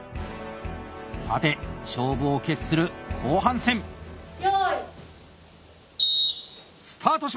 さて勝負を決する後半戦！用意！